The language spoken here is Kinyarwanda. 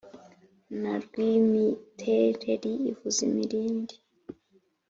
Na Rwimitereri ivuza imirindi.